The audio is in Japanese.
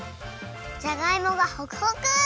じゃがいもがホクホク！